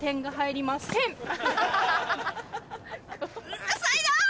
うるさいな！